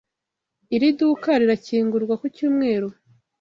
Iri duka rirakingurwa ku cyumweru?